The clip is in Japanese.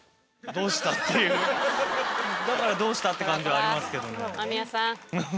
だからどうしたって感じはありますけどね。